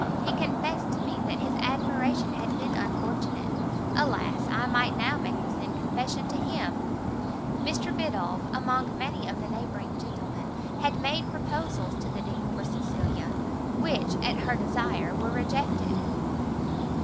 He confessed to me, that his admiration had been unfortunate; alas! I might now make the same confession to him!" Mr Biddulph, among many of the neighbouring gentlemen, had made proposals to the Dean for Cecilia, which, at her desire, were rejected.